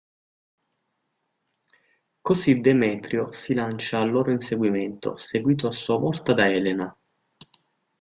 Così Demetrio si lancia al loro inseguimento, seguito a sua volta da Elena.